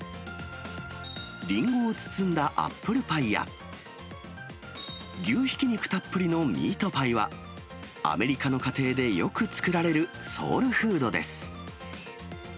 リンゴを包んだアップルパイや、牛ひき肉たっぷりのミートパイは、アメリカの家庭でよく作られるソウルフードです。